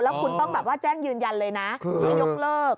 แล้วคุณต้องแบบว่าแจ้งยืนยันเลยนะให้ยกเลิก